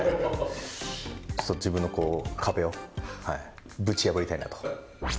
自分の壁をぶち破りたいなと。